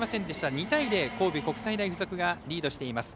２対０と神戸国際大付属がリードしています。